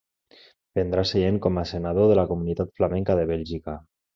Prendrà seient com a senador de la Comunitat Flamenca de Bèlgica.